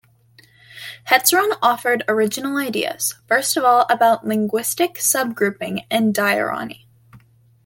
Hetzron offered original ideas; first of all, about lingusitic subgrouping in diachrony.